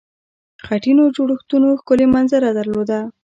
خټینو جوړښتونو ښکلې منظره درلوده.